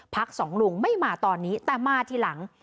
สองลุงไม่มาตอนนี้แต่มาทีหลัง